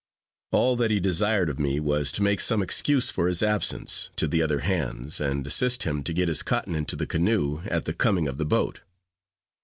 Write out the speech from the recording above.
All that he desired of me was, to make some excuse for his absence, to the other hands, and assist him to get his cotton into the canoe, at the coming of the boat.